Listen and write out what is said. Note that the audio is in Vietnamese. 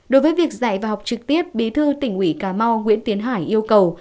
đối với việc dạy và học trực tiếp bí thư tỉnh ủy cà mau nguyễn tiến hải yêu cầu